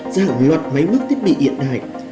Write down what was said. ra hẳn loạt máy bước thiết bị hiện đại